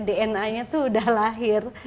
dna nya tuh udah lahir